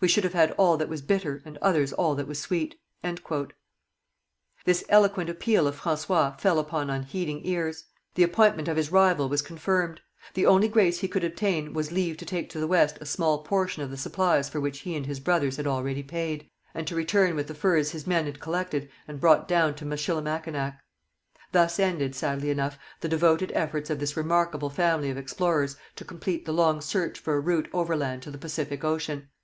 We should have had all that was bitter and others all that was sweet. This eloquent appeal of François fell upon unheeding ears; the appointment of his rival was confirmed. The only grace he could obtain was leave to take to the West a small portion of the supplies for which he and his brothers had already paid, and to return with the furs his men had collected and brought down to Michilimackinac. Thus ended, sadly enough, the devoted efforts of this remarkable family of explorers to complete the long search for a route overland to the Pacific ocean.